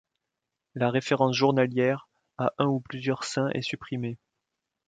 La référence journalière à un ou plusieurs saints est supprimée.